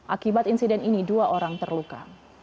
akibat insiden ini dua orang terluka